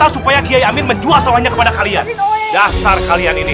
supaya menjual sawahnya kepada kalian dasar kalian ini